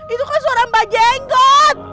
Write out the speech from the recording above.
itu kan suara mba jengot